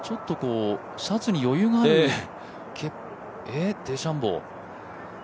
シャツに余裕があるデシャンボー。